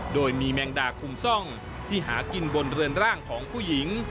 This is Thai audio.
โดยมีแมงดาคุมซ่องที่หากินบนเรือนร่างของผู้หญิง